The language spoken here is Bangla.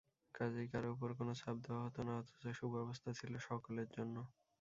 কাজেই কারও উপর কোন চাপ দেওয়া হত না, অথচ সুব্যবস্থা ছিল সকলের জন্য।